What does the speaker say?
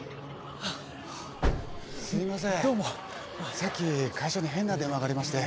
さっき会社に変な電話がありまして。